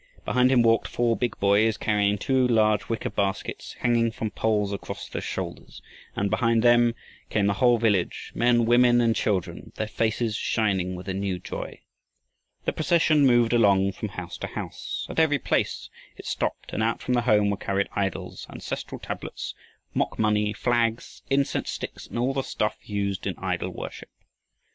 Behind him walked four big boys, carrying two large wicker baskets, hanging from poles across their shoulders; and behind them came the whole village, men, women, and children, their faces shining with a new joy. The procession moved along from house to house. At every place it stopped and out from the home were carried idols, ancestral tablets, mock money, flags, incense sticks, and all the stuff used in idol worship.